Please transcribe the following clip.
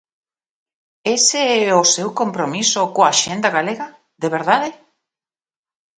¿Ese é o seu compromiso coa Axenda galega, de verdade?